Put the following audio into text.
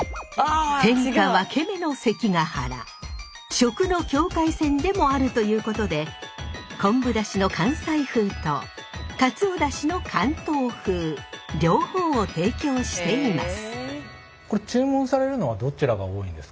食の境界線でもあるということで昆布だしの関西風とかつおだしの関東風両方を提供しています。